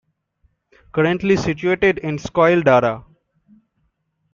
Currently situated in Scoil Dara.